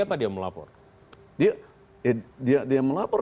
kepada siapa dia melapor